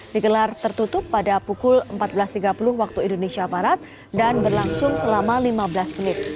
digelar tertutup pada pukul empat belas tiga puluh waktu indonesia barat dan berlangsung selama lima belas menit